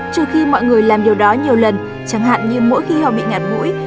trừ khi mọi người làm điều đó nhiều lần chẳng hạn như mỗi khi họ bị ngạt mũi